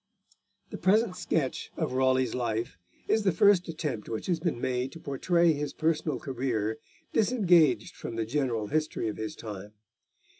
The present sketch of Raleigh's life is the first attempt which has been made to portray his personal career disengaged from the general history of his time.